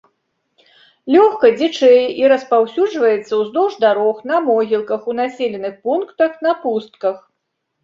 Лёгка дзічэе і распаўсюджваецца ўздоўж дарог, на могілках, у населеных пунктах, на пустках.